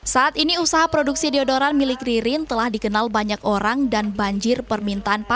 saat ini usaha produksi deodoran milik ririn telah dikenal banyak orang dan banjir permintaan pasar